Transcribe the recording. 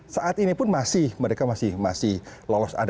saat ini pun masih mereka masih lolos